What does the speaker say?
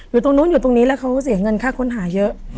อยู่ตรงนู้นอยู่ตรงนี้แล้วเขาเสียเงินค่าค้นหาเยอะ